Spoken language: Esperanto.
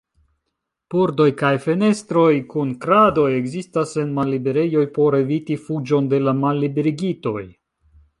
Pordoj kaj fenestroj kun kradoj ekzistas en malliberejoj por eviti fuĝon de la malliberigitoj.